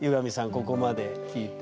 ここまで聞いて。